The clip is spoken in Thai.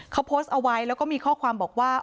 เขาโพสต์เอาไว้แล้วก็มีข้อความบอกว่า